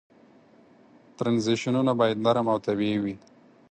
ترنزیشنونه باید نرم او طبیعي وي.